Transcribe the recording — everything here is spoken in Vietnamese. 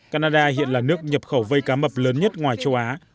canada hiện là nước nhập khẩu vây cá mập lớn nhất ngoài châu á